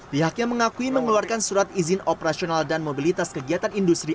pihaknya mengakui mengeluarkan surat izin operasional dan mobilitas kegiatan industri